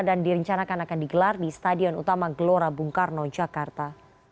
dan direncanakan akan digelar di stadion utama gelora bung karno jakarta